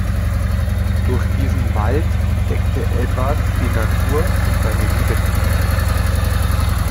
Durch diesen Wald entdeckte Edwards die Natur und seine Liebe zu ihr.